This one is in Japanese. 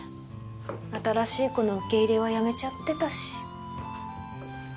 新しい子の受け入れはやめちゃってたし